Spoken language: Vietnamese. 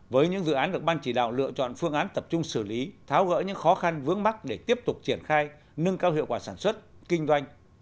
với những dự án được ban chỉ đạo lựa chọn phương án tập trung xử lý tháo gỡ những khó khăn vướng mắt để tiếp tục triển khai nâng cao hiệu quả sản xuất kinh doanh